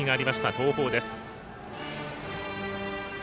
東邦です。